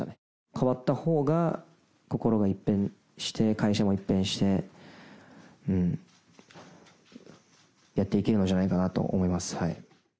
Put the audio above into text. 変わったほうが心が一変して、会社も一変して、やっていけるんじゃないかなと思います。